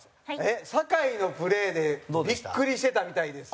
酒井のプレーでビックリしてたみたいです。